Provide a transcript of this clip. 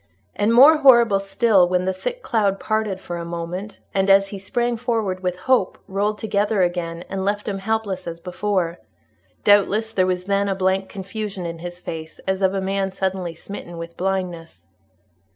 And more horrible still, when the thick cloud parted for a moment, and, as he sprang forward with hope, rolled together again, and left him helpless as before; doubtless, there was then a blank confusion in his face, as of a man suddenly smitten with blindness.